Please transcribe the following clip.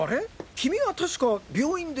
キミは確か病院で。